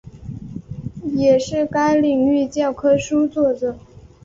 也是该领域教科书作者。